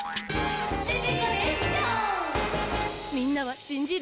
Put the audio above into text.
みんなはしんじる？